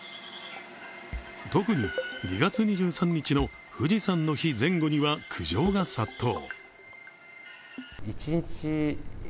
特に２月２３日の富士山の日前後には苦情が殺到。